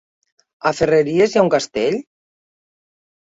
A Ferreries hi ha un castell?